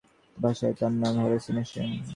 আমি যা দেখব, মনোবিজ্ঞানীর ভাষায় তার নাম হেলুসিনেশন।